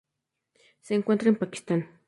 Se encuentra en Pakistán.